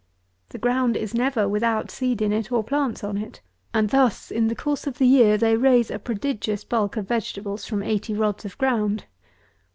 The ground is never without seed in it or plants on it. And thus, in the course of the year, they raise a prodigious bulk of vegetables from eighty rods of ground.